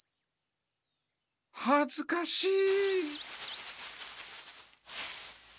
はずかしい。